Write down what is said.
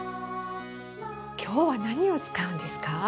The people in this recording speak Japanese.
今日は何を使うんですか？